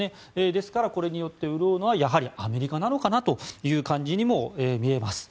ですからこれによって潤うのはやはりアメリカなのかなという感じにも見えます。